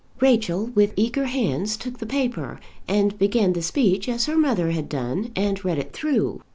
Rachel with eager hands took the paper, and began the speech as her mother had done, and read it through.